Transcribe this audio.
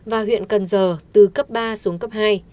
và huyện cần giờ từ cấp ba xuống cấp hai